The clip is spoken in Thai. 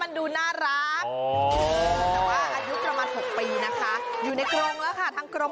หน้าหน้าเท่าผมอย่างนั้นถ้า๘๐กิโลกรัม